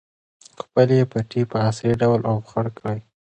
خپلې پټۍ په عصري ډول اوبخور کړئ.